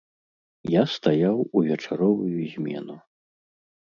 Я стаяў у вечаровую змену.